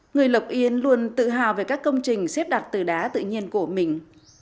người lộc yên luôn tự hào về các công trình xếp đặt từ đá tự nhiên của mình